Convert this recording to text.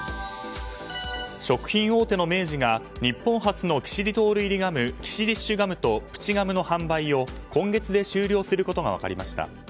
食品大手の明治が日本初のキシリトール入りガムキシリッシュガムとプチガムの販売を今月で終了することが分かりました。